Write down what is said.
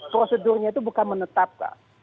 prosedurnya itu bukan menetapkan